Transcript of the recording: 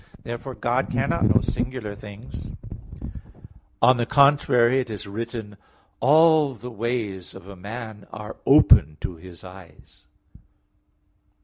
Therefore God cannot know singular things. On the contrary, It is written (Prov. 16:2), "All the ways of a man are open to His eyes."